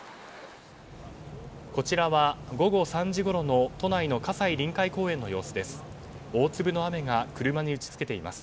こちらは午後３時ごろの都内の葛西臨海公園の様子です。